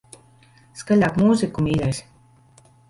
Skaļāk mūziku, mīļais.